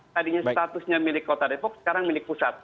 tadinya statusnya milik kota depok sekarang milik pusat